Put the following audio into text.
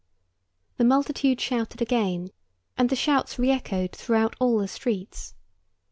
The multitude shouted again, and the shouts re echoed throughout all the streets.